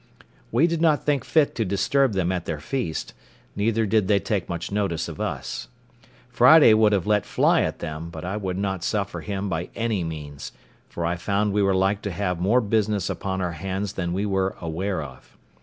We did not think fit to disturb them at their feast, neither did they take much notice of us. Friday would have let fly at them, but I would not suffer him by any means; for I found we were like to have more business upon our hands than we were aware of.